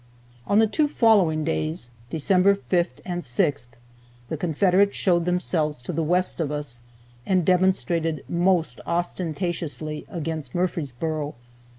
On the two following days, December 5 and 6, the Confederates showed themselves to the west of us, and demonstrated most ostentatiously against Murfreesboro.